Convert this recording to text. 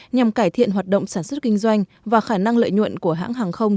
nhằm cải thiện hoạt động sản xuất kinh doanh và khả năng lợi nhuận của hãng hàng không